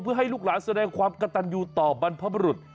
เพื่อให้ลูกหลานแสดงความกระตันยูต่อบรรพบรุษ